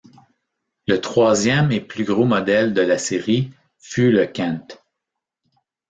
Le troisième et plus gros modèle de la série fut le Kent.